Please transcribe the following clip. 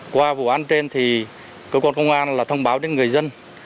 qua vụ án trên thì cơ quan công an là thông báo đến người dân